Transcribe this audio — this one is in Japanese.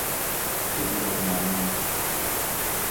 咳がとまらない